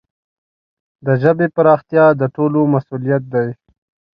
د ژبي پراختیا د ټولو مسؤلیت دی.